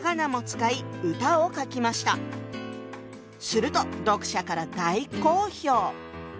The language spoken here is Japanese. すると読者から大好評！